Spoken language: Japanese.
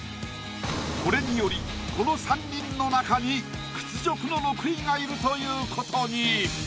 これによりこの３人の中に屈辱の６位がいるということに。